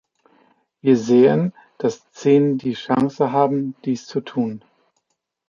Wir sehen, dass zehn die Chance haben, dies zu tun.